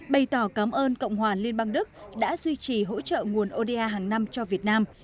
bày tỏ cảm ơn cộng hòa liên bang đức đã duy trì hỗ trợ nguồn oda hàng năm cho việt nam